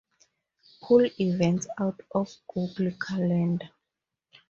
Pull events out of Google Calendar